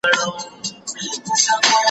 ما د سبا لپاره د لغتونو زده کړه کړې ده؟!